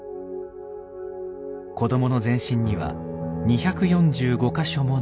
子どもの全身には２４５か所もの傷。